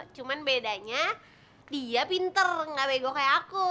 cuman bedanya dia pinter gak bego kayak aku